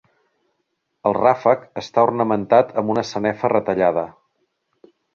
El ràfec està ornamentat amb una sanefa retallada.